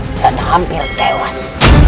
dan hampir tewas